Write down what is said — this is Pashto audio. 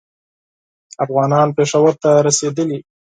افغانان پېښور ته رسېدلي.